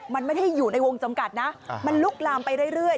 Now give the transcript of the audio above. มันไม่ได้อยู่ในวงจำกัดนะมันลุกลามไปเรื่อย